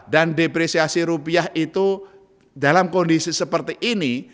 dan depresiasi rupiah itu dalam kondisi seperti ini